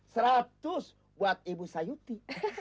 seratus buat ibu sayuti